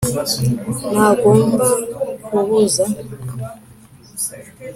ntagomba kubuza